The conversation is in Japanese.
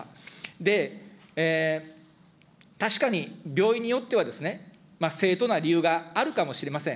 で、確かに病院によっては正当な理由があるかもしれません。